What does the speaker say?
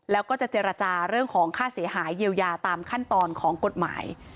แล้วก็จะเจรจาเรื่องของค่าเสียหายเยียวยาตามขั้นตอนของกฎหมาย